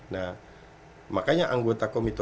nah makanya anggota komito